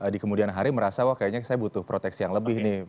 di kemudian hari merasa wah kayaknya saya butuh proteksi yang lebih nih